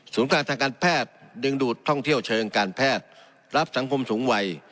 การทางการแพทย์ดึงดูดท่องเที่ยวเชิงการแพทย์รับสังคมสูงวัย